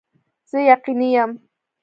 زه یقیني یم